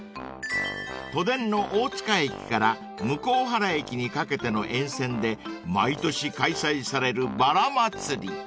［都電の大塚駅から向原駅にかけての沿線で毎年開催されるバラ祭り］